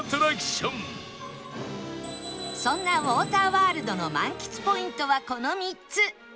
そんなウォーターワールドの満喫ポイントはこの３つ